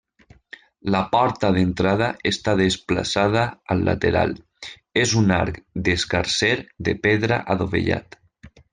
La porta d'entrada està desplaçada al lateral, és un arc escarser de pedra adovellat.